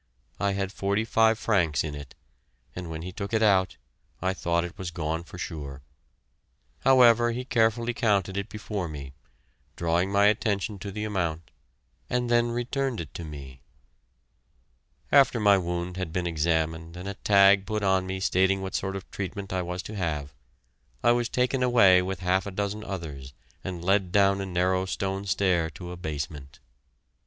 I had forty five francs in it, and when he took it out, I thought it was gone for sure. However, he carefully counted it before me, drawing my attention to the amount, and then returned it to me. After my wound had been examined and a tag put on me stating what sort of treatment I was to have, I was taken away with half a dozen others and led down a narrow stone stair to a basement.